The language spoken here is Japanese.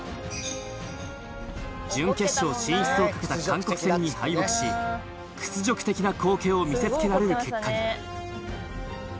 準決勝進出を懸けた韓国戦に敗北し屈辱的な光景を見せ付けられる結果に。